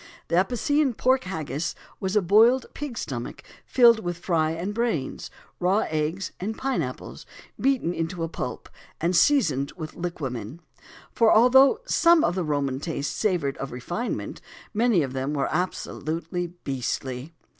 The Apician pork haggis was a boiled pig's stomach filled with fry and brains, raw eggs, and pine apples beaten to a pulp, and seasoned with liquamen. For although some of the Romans' tastes savoured of refinement, many of them were "absolutely beastly."